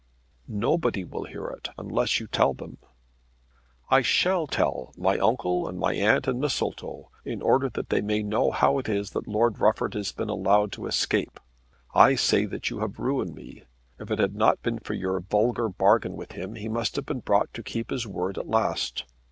"Nobody will hear it unless you tell them." "I shall tell my uncle and my aunt and Mistletoe, in order that they may know how it is that Lord Rufford has been allowed to escape. I say that you have ruined me. If it had not been for your vulgar bargain with him, he must have been brought to keep his word at last.